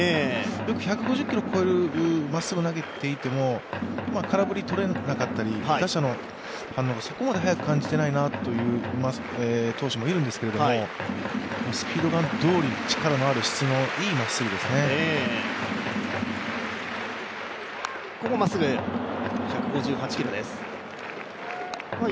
よく１５０キロ超えるまっすぐを投げていても、空振りとれなかったり打者の反応がそこまで早く感じていないなという投手もいるんですがスピードガンどおり、質のいい、力のあるまっすぐですね。